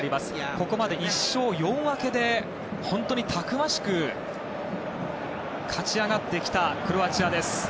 ここまで１勝４分けで本当にたくましく勝ち上がってきたクロアチア。